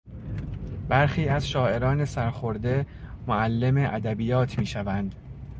برخی از شاعران سرخورده معلم ادبیات میشوند.